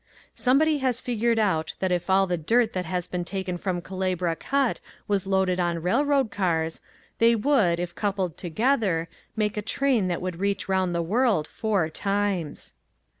Somebody has figured out that if all the dirt that has been taken from Culebra Cut was loaded on railroad cars they would, if coupled together, make a train that would reach around the world four times.